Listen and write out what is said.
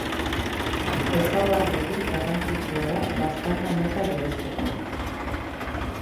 Ezaugarri hori garrantzitsua da baztanga mota bereizteko.